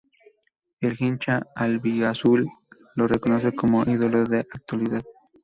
El hincha "Albiazul" lo reconoce como ídolo en la actualidad.